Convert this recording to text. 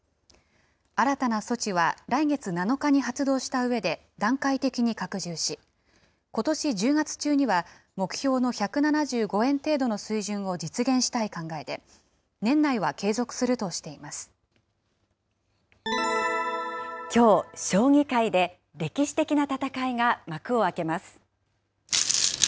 新たな措置は来月７日に発動したうえで、段階的に拡充し、ことし１０月中には、目標の１７５円程度の水準を実現したい考えで、きょう、将棋界で歴史的な戦いが幕を開けます。